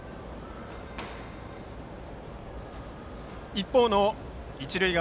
一方の一塁側